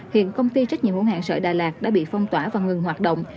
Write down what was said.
hiện công ty trách nhiệm hữu hạng sợi đà lạt đã bị phong tỏa và ngừng hoạt động